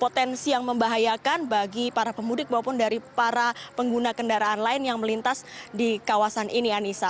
potensi yang membahayakan bagi para pemudik maupun dari para pengguna kendaraan lain yang melintas di kawasan ini anissa